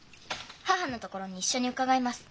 母のところに一緒に伺います。